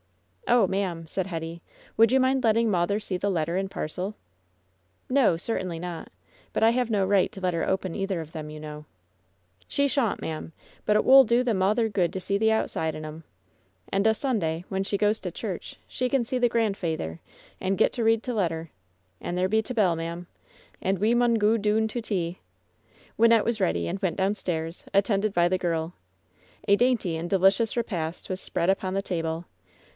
"Oh, ma'am," said Hetty, "would you mind letting mawther see the letter and parcel ?" "No, certainly not ; but I have no right to let her open either of them, you know." "She shawnt, ma'am; but it wull do the mawther good to see the outside 'n 'em. And o' Sunday, when she goes to church, she can see the grandfeyther, and get to read t' letter. And there be t' bell, ma'am. And we mun goo doon to tea." Wynnette was ready, and went downstairs, attended by the girl. A dainty and delicious repast was spread upon the table.